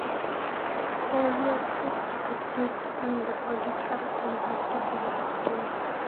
Stereocilia exist in the auditory and vestibular systems.